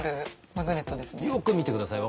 よく見て下さい。